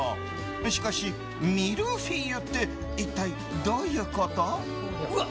しかし、ミルフィーユって一体どういうこと？